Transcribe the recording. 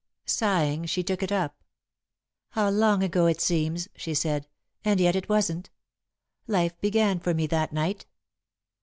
Sighing, she took it up. "How long ago it seems," she said, "and yet it wasn't. Life began for me that night."